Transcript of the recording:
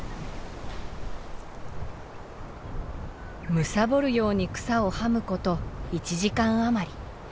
むさぼるように草をはむこと１時間余り。